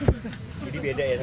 jadi beda ya